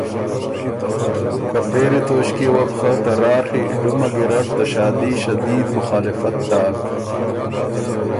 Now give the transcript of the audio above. که پېری توݭکيې وه بو خه ته راڒی ډمه ګیرډ ته شادي شدید مخالفت داک